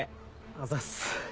あざっす。